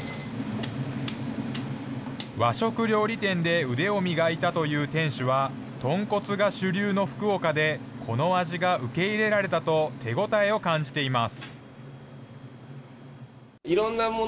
和食料理店で腕を磨いたという店主は、豚骨が主流の福岡でこの味が受け入れられたと、手応えを感じています。